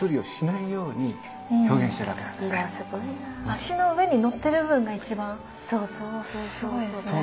足の上にのってる部分が一番すごいですね。